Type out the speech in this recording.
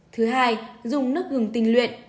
thứ hai dùng nước gừng tinh luyện